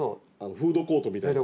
フードコートみたいな。